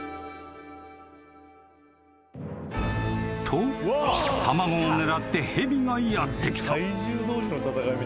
［と卵を狙って蛇がやって来た］